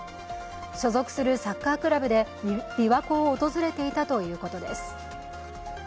所属するサッカークラブで琵琶湖を訪れていたということです。